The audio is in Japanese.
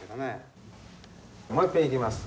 もういっぺんいきます。